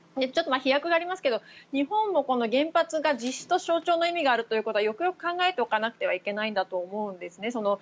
飛躍がありますが日本もこの原発が実質と象徴の意味があるというのはよくよく考えておかなくてはいけないと思うんです。